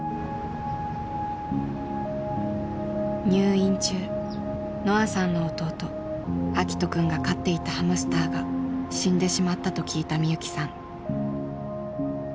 入院中のあさんの弟あきと君が飼っていたハムスターが死んでしまったと聞いたみゆきさん。